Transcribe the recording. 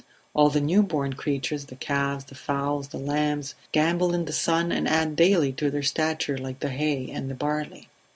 All the new born creatures the calves, the fowls, the lambs, gambol in the sun and add daily to their stature like the hay and the barley.